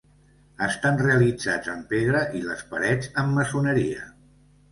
Estan realitzats en pedra i les parets amb maçoneria.